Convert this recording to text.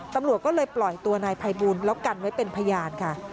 ตำรวจก็เลยปล่อยตัวนายภัยบูลแล้วกันไว้เป็นพยานค่ะ